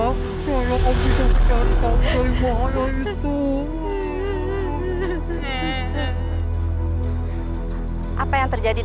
kami gak bisa bermain sama kamu lagi